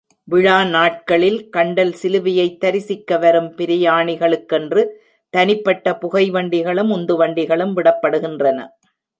விழா நாட்களில் கண்டல் சிலுவையைத் தரிசிக்க வரும் பிரயாணிகளுக் கென்று, தனிப்பட்ட புகைவண்டிகளும், உந்துவண்டிகளும் விடப்படுகின்றன.